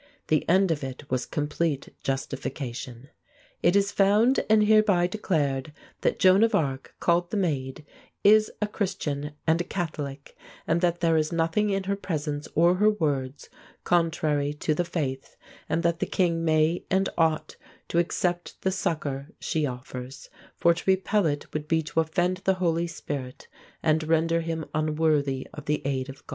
The end of it was complete justification: "It is found and hereby declared that Joan of Arc, called the Maid, is a Christian and a Catholic, and that there is nothing in her presence or her words contrary to the faith, and that the king may and ought to accept the succor she offers; for to repel it would be to offend the Holy Spirit, and render him unworthy of the aid of God."